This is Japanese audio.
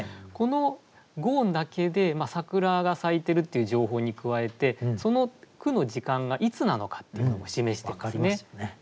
この５音だけで桜が咲いているという情報に加えてその句の時間がいつなのかっていうのも示してますね。